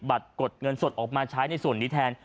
กดเงินสดออกมาใช้ในส่วนนี้แทน